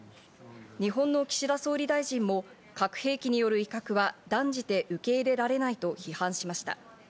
日本の岸田総理大臣も核兵器による威嚇は断じて受け入れられないと批判しました。